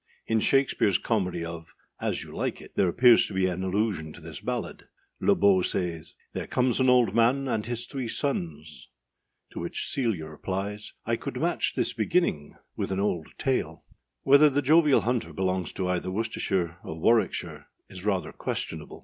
In Shakspeareâs comedy of As You Like It there appears to be an allusion to this ballad. Le Beau says,â There comes an old man and his three sons, to which Celia replies, I could match this beginning with an old tale.âi. 2. Whether The Jovial Hunter belongs to either Worcestershire or Warwickshire is rather questionable.